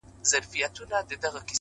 اوس د دې څيزونو حرکت بې هوښه سوی دی”